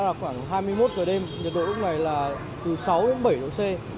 là khoảng hai mươi một giờ đêm nhiệt độ lúc này là từ sáu đến bảy độ c